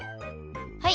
はい！